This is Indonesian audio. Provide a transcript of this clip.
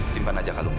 simpan aja kalungnya